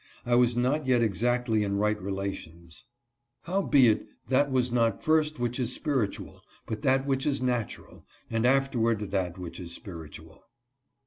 I was not yet exactly in right relations. " Ho wbeit, that was not first which is spiritual, but that which is natural, and afterward that which is spiritual."